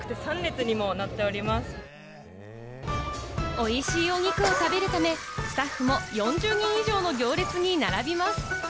おいしいお肉を食べるため、スタッフも４０人以上の行列に並びます。